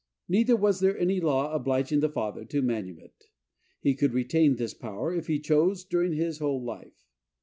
Neither was there any law obliging the father to manumit;—he could retain this power, if he chose, during his whole life.